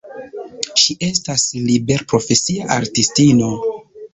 Ŝi estas liberprofesia artistino.